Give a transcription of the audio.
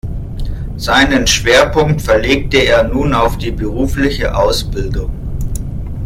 Seinen Schwerpunkt verlegte er nun auf die berufliche Ausbildung.